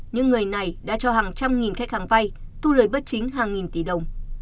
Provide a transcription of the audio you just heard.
những người này đã cho hàng trăm nghìn khách hàng vay thu lời bất chính hàng nghìn tỷ đồng